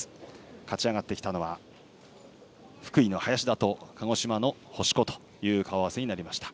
勝ち上がってきたのは福井の林田と鹿児島の星子という顔合わせになりました。